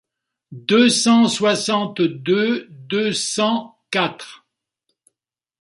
deux cent soixante-deux deux cent quatre.